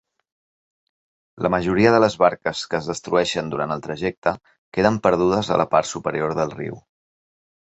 La majoria de les barques que es destrueixen durant el trajecte queden perdudes a la part superior del riu.